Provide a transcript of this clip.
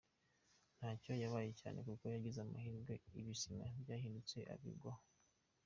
Ntacyo yabaye cyane kuko yagize amahirwe ibisima byaridutse abigwaho.